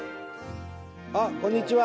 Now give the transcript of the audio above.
あっこんにちは。